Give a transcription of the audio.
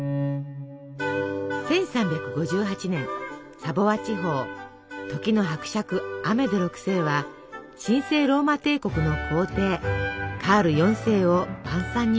１３５８年サヴォワ地方時の伯爵アメデ６世は神聖ローマ帝国の皇帝カール４世を晩餐に招きます。